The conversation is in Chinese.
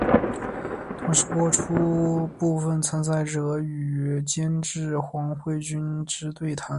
同时播出部分参赛者与监制黄慧君之对谈。